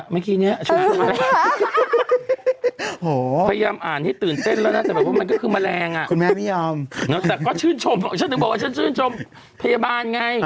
แต่ก็ชื่นชมฉันถึงบอกว่าฉันชื่นชมพยาบาลไง